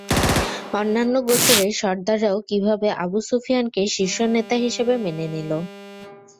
অন্যান্য গোত্রের সরদাররাও কিভাবে আবু সুফিয়ানকে শীর্ষ নেতা হিসেবে মেনে নিল?